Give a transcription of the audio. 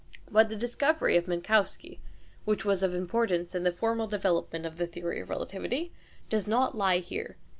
But the discovery of Minkowski, which was of importance for the formal development of the theory of relativity, does not lie here.